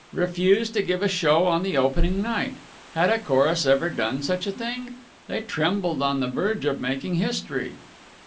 Refuse to give a show on the opening night! Had a chorus ever done such a thing? They trembled on the verge of making history.